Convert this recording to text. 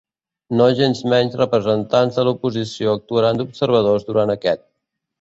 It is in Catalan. Nogensmenys representants de l'oposició actuaran d'observadors durant aquest.